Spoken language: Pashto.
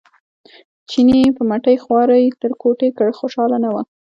چیني یې په مټې خوارۍ تر کوټې کړ خوشاله نه و.